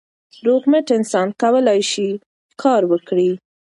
روغ رمټ انسان کولای سي کار وکړي.